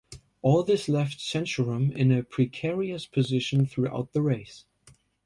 All this left Santorum in a precarious position throughout the race.